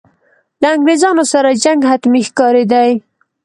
له انګرېزانو سره جنګ حتمي ښکارېدی.